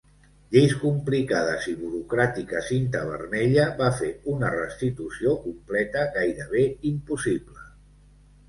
Lleis complicades i burocràtica cinta vermella va fer una restitució completa gairebé impossible.